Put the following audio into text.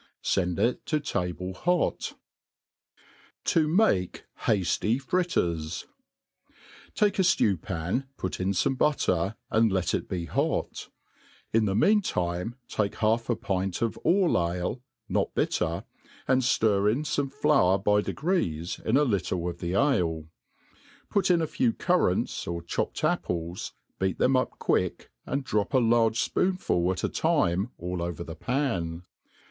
Send it to table hot. To make Hafly Fritters. TAKE a ftew pan, put in fome butter, and let it be hot^ In the mean time take half a pint of all ale not bitter, and ftir in fome flour by degrees in a little of the ale ; put in a few cur* rants^ or chopped apples^ beat them up'quick, and drop a large fpoonful at a time all over the pan.